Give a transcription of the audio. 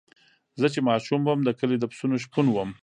زه چې ماشوم وم د کلي د پسونو شپون وم.